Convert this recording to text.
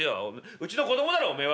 うちの子どもだろおめえは！」。